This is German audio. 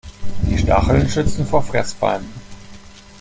Die Stacheln schützen vor Fressfeinden.